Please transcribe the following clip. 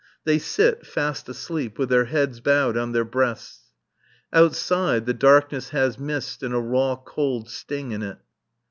They sit, fast asleep, with their heads bowed on their breasts. Outside, the darkness has mist and a raw cold sting in it.